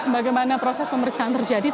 bagaimana proses pemeriksaan terjadi